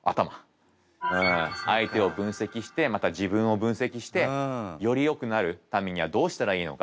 相手を分析してまた自分を分析してよりよくなるためにはどうしたらいいのか。